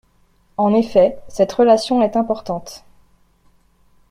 En effet, cette relation est importante.